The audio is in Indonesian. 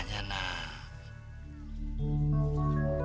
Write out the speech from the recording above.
nih ambil anjlnya